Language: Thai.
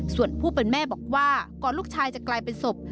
ส่วนผู้เป็นแม่บอกว่าก่อนลูกชายจะกลายเป็นศพ